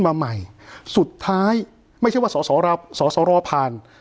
มาใหม่สุดท้ายไม่ใช่ว่าสหราซอเหรอเพลิน